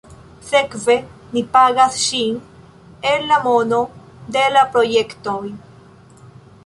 Sekve ni pagas ŝin el la mono de la projektoj.